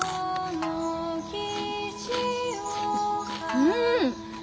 うん！